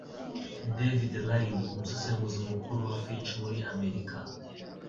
David Riley, umusesenguzi mukuru wa Fitch muri Amerika,